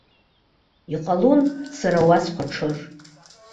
Иҟалон сара уа схәаҽыр.